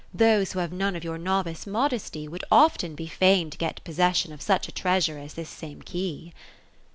Those, who have none of your novice modesty, would often be fain to get possession of such a treasure as this same key."